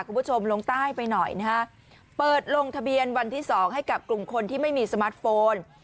คุณผู้ชมลงใต้ไปหน่อยนะฮะเปิดลงทะเบียนวันที่สองให้กับกลุ่มคนที่ไม่มีสมาร์ทโฟน